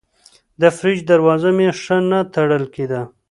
د فریج دروازه مې ښه نه تړل کېده.